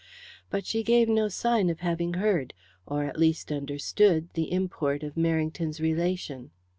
But she gave no sign of having heard, or, at least, understood the import of Merrington's relation.